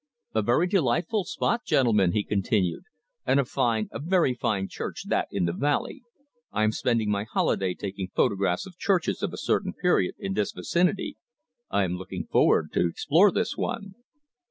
"A very delightful spot, gentlemen," he continued, "and a fine, a very fine church that in the valley. I am spending my holiday taking photographs of churches of a certain period in this vicinity. I am looking forward to explore this one."